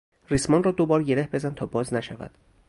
ریسمان را دوبار گره بزن تا باز نشود.